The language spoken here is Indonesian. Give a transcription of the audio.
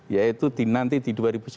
yaitu nanti di dua ribu sembilan belas